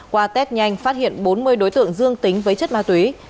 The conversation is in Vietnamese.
qua test nhanh phát hiện bốn mươi đối tượng dương tính với chất ma túy